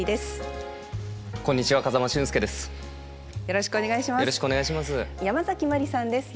よろしくお願いします。